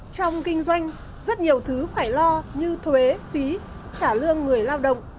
trong kinh doanh rất nhiều thứ phải lo như thuế phí trả lương người lao động